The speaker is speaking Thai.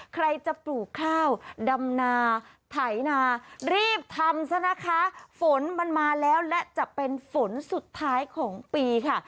ใครจะปลูกข้าวดำนาไถนารีบทำซะนะคะฝนมันมาแล้วและจะเป็นฝนสุดท้ายของปีค่ะ